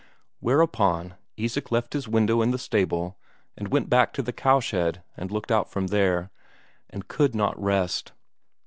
Whereupon Isak left his window in the stable and went back to the cowshed and looked out from there, and could not rest.